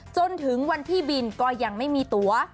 จนถึงวันที่บินก็ยังไม่มีตัว